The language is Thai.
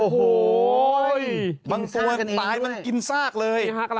โอ้โหบางตัวปาร์ย้ำตายในตอนนี้กินซากเลย